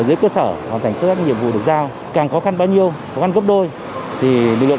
dưới cơ sở hoàn thành xuất sắc nhiệm vụ được giao càng khó khăn bao nhiêu khó khăn gấp đôi thì lực lượng